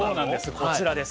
こちらです。